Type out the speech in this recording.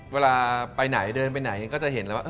เวลาไปไหนเดินไปไหนก็จะเห็นแล้วว่า